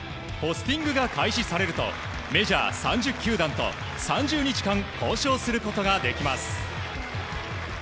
ポスティングが開始されるとメジャー３０球団と３０日間交渉することができます。